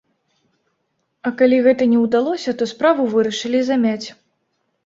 А калі гэта не ўдалося, то справу вырашылі замяць.